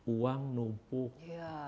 uang numpuh gitu kan